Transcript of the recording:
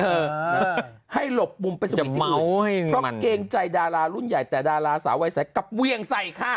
แบบนั้นเจ็งเลยอะให้หลบปุ่มเป็นสิ่งที่อื่นเพราะเกงใจดารารุ่นใหญ่แต่ดาราสาววัยใสกับเวียงใสค่ะ